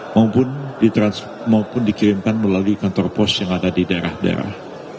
maupun dikirimkan melalui kantor pos yang ada di daerah daerah